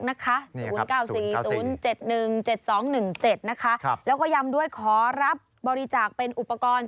๐๙๔๐๗๑๗๒๑๗นะคะแล้วก็ยำด้วยขอรับบริจาคเป็นอุปกรณ์